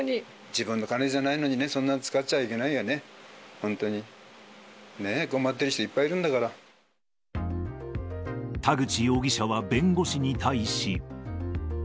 自分のお金じゃないのにね、そんな使っちゃいけないよね、本当に、ね、困っている人いっぱ田口容疑者は弁護士に対し。